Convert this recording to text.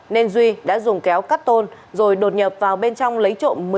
nên duy đã dùng kéo cắt tôn rồi đột nhập vào bên trong lấy trộm